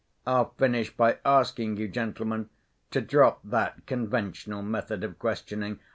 I'll finish by asking you, gentlemen, to drop that conventional method of questioning.